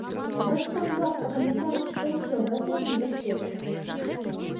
Бацькам варта памятаць, што ўсё гэта небяспечна.